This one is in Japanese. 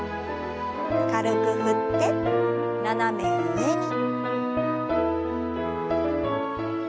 軽く振って斜め上に。